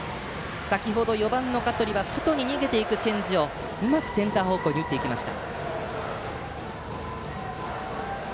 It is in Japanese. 先程、４番の香取は外に逃げるチェンジアップをうまくセンター方向に打っていきました。